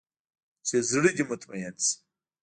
چې زړه دې مطمين سي.